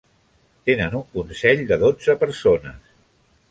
Tenen un consell de dotze persones.